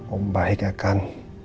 om baik akan